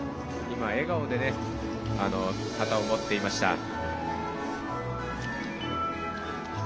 今、笑顔で旗を持っていました。